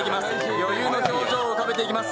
余裕の表情を浮かべています。